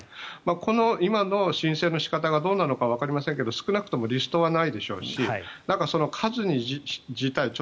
この今の申請の仕方がどうなのかはわかりませんが少なくともリストはないでしょうし、数自体